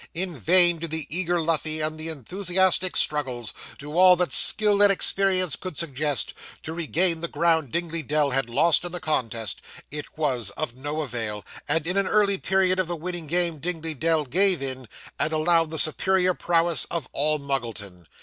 In vain did the eager Luffey, and the enthusiastic Struggles, do all that skill and experience could suggest, to regain the ground Dingley Dell had lost in the contest it was of no avail; and in an early period of the winning game Dingley Dell gave in, and allowed the superior prowess of All Muggleton.